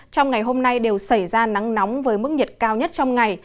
trong ngày hôm nay đều xảy ra nắng nóng với mức nhiệt cao nhất trong ngày